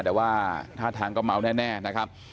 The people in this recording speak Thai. แต่ว่าท่าทางก็เมาแน่นะครับ